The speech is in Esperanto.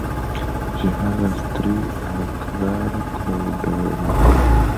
Ĝi havas tri aŭ kvar kordojn.